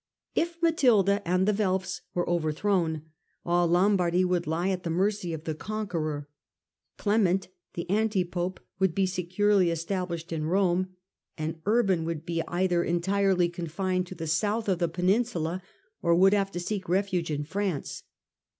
K Matilda and the Welfs were overthrown, all Lombardy would lie at the mercy of the conqueror, Clement the anti pope would be securely established in Bome, and Urban would be Digitized by VjOOQIC t62 HlLDRBRAND either entirely confined to the south of the peBinsnla. or would have to seek refuge in France.